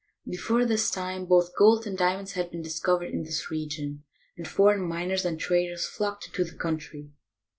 Before this time, both gold and diamonds had been dis covered in this region, and foreign miners and traders flocked into the country.